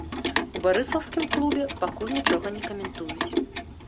У барысаўскім клубе пакуль нічога не каментуюць.